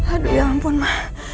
aduh ya ampun ma